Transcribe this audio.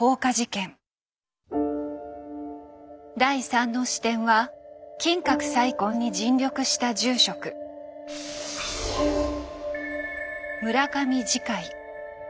第３の視点は金閣再建に尽力した住職村上慈海。